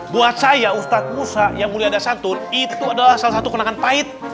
buat saya ustadz musa yang mulia ada santun itu adalah salah satu kenangan pahit